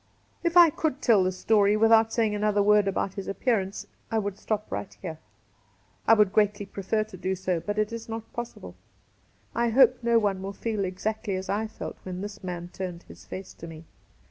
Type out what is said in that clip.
If I could tell this story without saying another word about his appearance, I would stop right here. I would greatly prefer to do so, but it is not possible. I hope no one will feel exactly as I felt when this man turned his face to me.